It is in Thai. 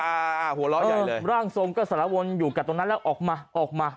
หัวเราะใหญ่เลยร่างทรงก็สารวนอยู่กับตรงนั้นแล้วออกมาออกมา